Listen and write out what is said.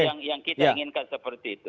yang kita inginkan seperti itu